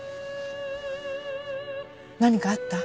何かあった？